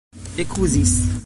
ekuzis